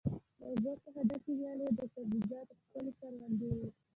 له اوبو څخه ډکې ویالې او د سبزیجاتو ښکلې کروندې وې.